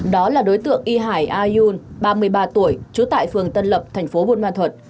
đó là đối tượng y hải a yun ba mươi ba tuổi trú tại phường tân lập tp bôn ma thuật